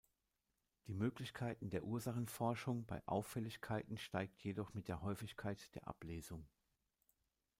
Die Möglichkeiten der Ursachenforschung bei Auffälligkeiten steigt jedoch mit der Häufigkeit der Ablesung.